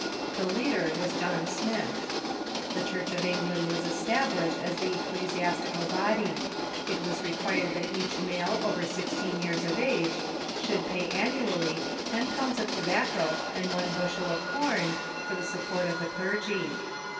The leader was John Smith. The Church of England was established as the ecclesiastical body. It w^as required that each male over sixteen years of age should pay annually ten pounds of tobacco and one bushel of corn for the support of the clergy.